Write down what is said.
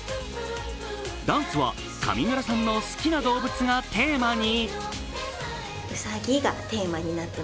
ダンスは上村さんの好きな動物がテーマに。